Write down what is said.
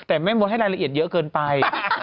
แต่แม่มดให้รายละเอียดเยอะเกินไป